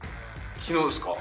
昨日ですか？